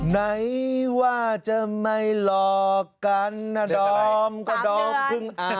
ไหนว่าจะไม่หลอกกันนะดอมก็ดอมพึ่งอ่าน